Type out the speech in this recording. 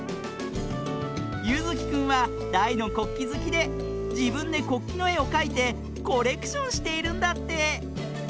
ゆずきくんはだいのこっきずきでじぶんでこっきの「え」をかいてコレクションしているんだって。